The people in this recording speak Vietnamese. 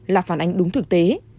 là phản ánh đúng thực tế